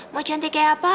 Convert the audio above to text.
mau cantik kayak apa